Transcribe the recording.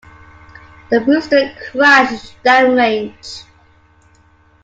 The booster crashed downrange.